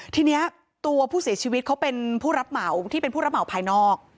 ทีนี้ตัวผู้เสียชีวิตเขาเป็นผู้รับเหมาที่เป็นผู้รับเหมาภายนอก